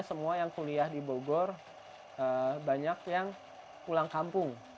semua yang kuliah di bogor banyak yang pulang kampung